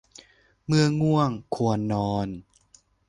เมื่อง่วง ควรนอน